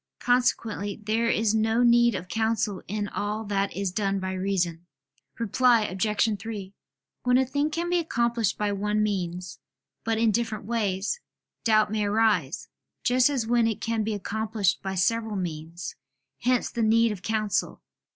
Consequently there is no need of counsel in all that is done by reason. Reply Obj. 3: When a thing can be accomplished by one means, but in different ways, doubt may arise, just as when it can be accomplished by several means: hence the need of counsel.